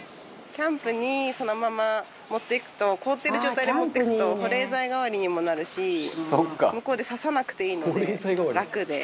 キャンプにそのまま持っていくと凍ってる状態で持っていくと保冷剤代わりにもなるし向こうで刺さなくていいので楽で。